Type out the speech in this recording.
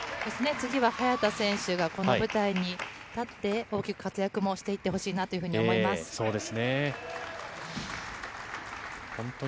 次は早田選手が、この舞台に立って、大きく活躍もしていってほしいなと思います。